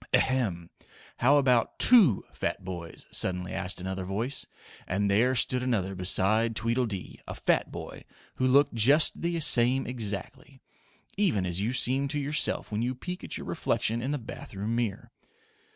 "Ahem! How about TWO fat boys?" suddenly asked another voice, and there stood another beside Tweedledee, a fat boy, who looked just the same exactly; even as you seem to yourself when you peek at your reflection in the bath room mirror.